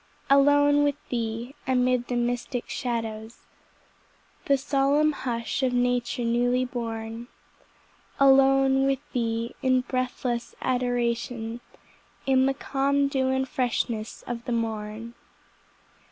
Alone with Thee, amid the mystic shadows, The solemn hush of nature newly born; Alone with Thee in breathless adoration, In the calm dew and freshness of the morn.